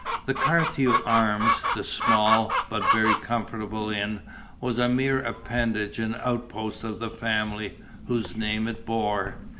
The Carthew Arms, the small but very comfortable inn, was a mere appendage and outpost of the family whose name it bore.